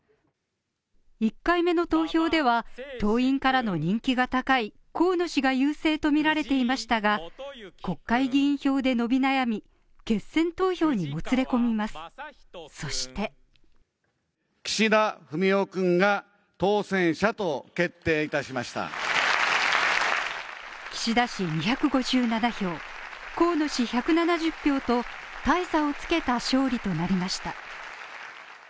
１回目の投票では党員からの人気が高い河野氏が優勢とみられていましたが、国会議員票で伸び悩み、決選投票にもつれ込みますそして岸田氏２５７票、河野氏１７０票と大差をつけた勝利となりました。